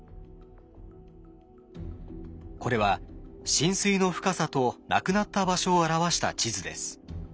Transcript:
これは浸水の深さと亡くなった場所を表した地図です。